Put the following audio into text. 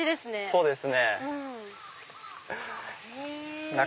そうです。